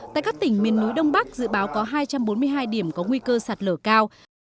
tại các tỉnh miền núi đông bắc dự báo có hai trăm bốn mươi hai điểm có nguy cơ sạt lở cao